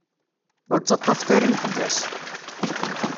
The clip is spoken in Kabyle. Ur tteṭṭfet ara imeḥbas!